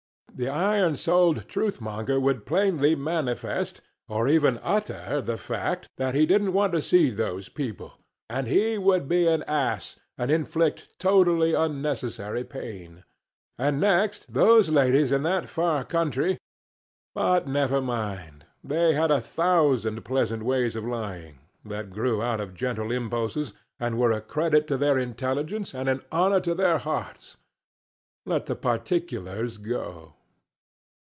The iron souled truth monger would plainly manifest, or even utter the fact that he didn't want to see those people and he would be an ass, and inflict totally unnecessary pain. And next, those ladies in that far country but never mind, they had a thousand pleasant ways of lying, that grew out of gentle impulses, and were a credit to their intelligence and an honor to their hearts. Let the particulars go.